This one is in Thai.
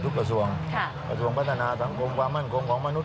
กับกระทะนาทังครองความมั่นคงของมนุษย์